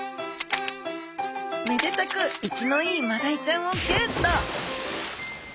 めでたく生きのいいマダイちゃんをゲット！